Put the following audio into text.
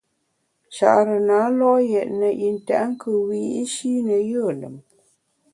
Nchare na lo’ yètne yi ntèt nkùt wiyi’shi ne yùe lùm.